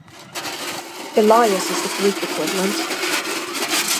Elias is the Greek equivalent.